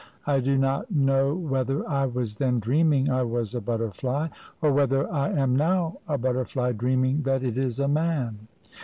I do not know whether I was then dreaming I was a butterfly, or whether I am now a butterfly dreaming that it is a man.